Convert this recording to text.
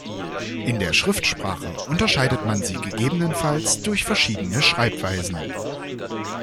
In der Schriftsprache unterscheidet man sie gegebenenfalls durch verschiedene Schreibweisen.